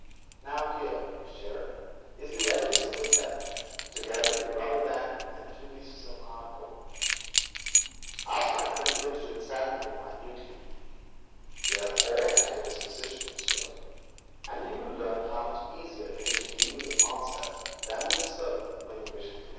Now here, Monsieur, is the evidence of the theft, together with the rubber band and two pieces of cardboard. Ask my friend Gibbes to examine them minutely. They are all at your disposition, Monsieur, and thus you learn how much easier it is to deal with the master than with the servant.